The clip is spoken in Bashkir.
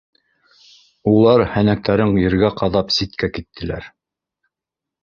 Улар, һәнәктәрен ергә ҡаҙап, ситкә киттеләр